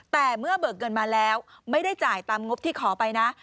แต่เมื่อเบิกเงินมาแล้วไม่ได้จ่ายตามงบที่ขอไปนะ